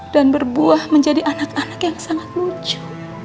dan berbuah menjadi anak anak yang sangat lucu